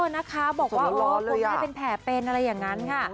นักค้าบอกว่าโอ้ผมไม่ได้เป็นแผ่เป็นอะไรอย่างนั้นค่ะ